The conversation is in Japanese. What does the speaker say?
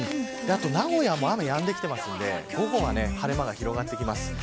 名古屋も雨がやんできてますので午後は晴れ間が広がってきます。